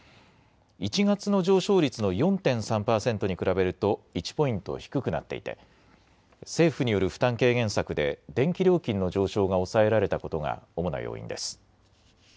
１月の上昇率の４．３％に比べると１ポイント低くなっていて政府による負担軽減策で電気料金の上昇が抑えられたことが主な要因です。